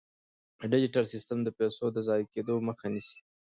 ډیجیټل سیستم د پيسو د ضایع کیدو مخه نیسي.